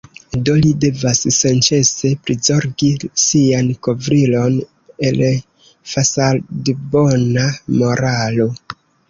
Do li devas senĉese prizorgi sian kovrilon el fasadbona moralo.